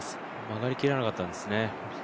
曲がりきらなかったんですね。